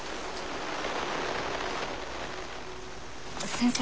先生